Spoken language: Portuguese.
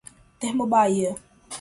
Termobahia